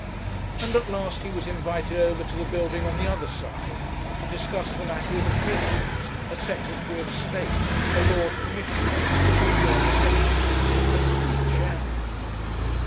And at last he was invited over to the building on the other side, to discuss the matter with a President, a Secretary of State, a Lord Commissioner, two joint Secretaries, and three Chairmen.